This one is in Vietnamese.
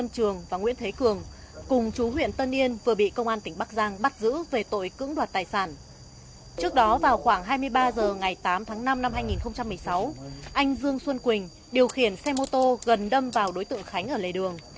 trong năm hai nghìn một mươi sáu anh dương xuân quỳnh điều khiển xe mô tô gần đâm vào đối tượng khánh ở lề đường